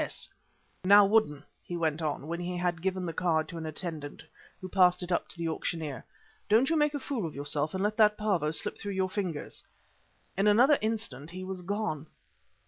S.S." "Now, Woodden," he went on, when he had given the card to an attendant who passed it up to the auctioneer, "don't you make a fool of yourself and let that 'Pavo' slip through your fingers." In another instant he was gone.